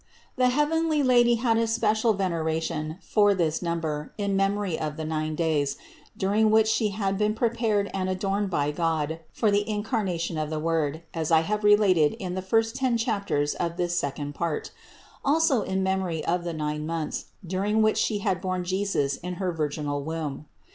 The heavenly Lady had a special venera tion for this number in memory of the nine days, during which She had been prepared and adorned by God for the incarnation of the Word, as I have related in the first ten chapters of this second part; also in memory of the nine months, during which She had borne Jesus in her virginal womb.